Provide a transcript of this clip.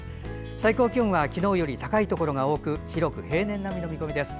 最高気温は昨日より高いところが多く広く平年並みの見込みです。